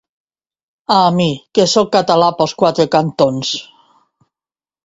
A mi, que sóc català pels quatre cantons.